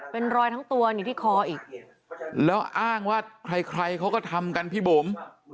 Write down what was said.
เป็นรอยทั้งตัวนี่ที่คออีกแล้วอ้างว่าใครใครเขาก็ทำกันพี่บุ๋ม